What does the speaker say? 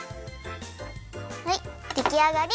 はいできあがり。